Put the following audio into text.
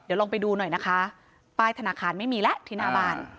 เดี๋ยวลองไปดูหน่อยนะคะป้ายธนาคารไม่มีแล้วที่หน้าบ้าน